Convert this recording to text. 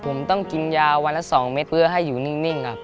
ผมต้องกินยาวันละ๒เม็ดเพื่อให้อยู่นิ่งครับ